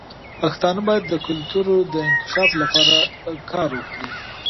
پښتانه باید د کلتور د انکشاف لپاره کار وکړي.